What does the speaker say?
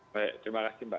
baik terima kasih mbak